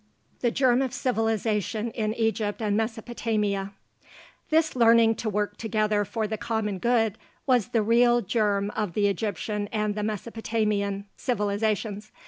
THE GERM OF CIVILIZATION IN EGYPT AND MESOPOTAMIA This learning to work together for the common good was the real germ of the Egyptian and the Mesopotamian civilizations.